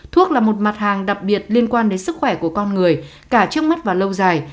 thuốc là một mặt hàng đặc biệt liên quan đến sức khỏe của con người cả trước mắt và lâu dài